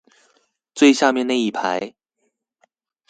最下面那一排